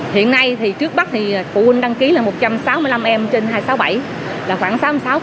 hiện nay trước bắt phụ huynh đăng ký là một trăm sáu mươi năm em trên hai trăm sáu mươi bảy khoảng sáu mươi sáu